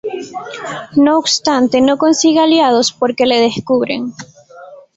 No obstante, no consigue aliados porque le descubren.